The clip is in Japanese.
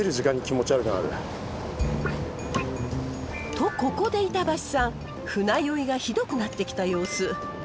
とここで板橋さん船酔いがひどくなってきた様子。